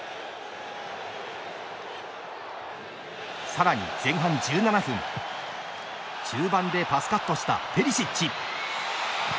さらに、前半１７分中盤でパスカットしたペリシッチ。